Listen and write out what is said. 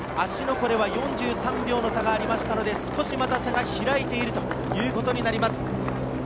湖では４３秒の差がありましたので、少し待た差が開いているということになります。